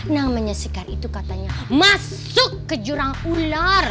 namanya sekar itu katanya masuk ke jurang ular